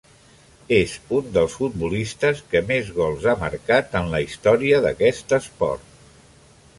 És un dels futbolistes que més gols ha marcat en la història d'aquest esport.